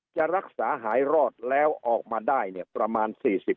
จะรักษาหายรอดแล้วออกมาได้เนี่ยประมาณ๔๐